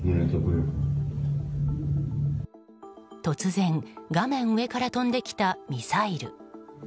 突然、画面上から飛んできたミサイル。